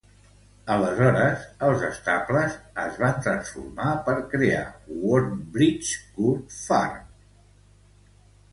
Aleshores els estables es van transformar per crear Wormbridge Court Farm.